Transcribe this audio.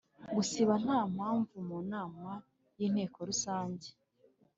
Gusiba ntampamvu munama y inteko rusange